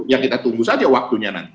ya kita tunggu saja waktunya nanti